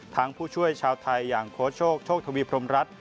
ทั้งผู้ช่วยชาวไทยอย่างโคชโฌกโชกทวีพรมรัชร์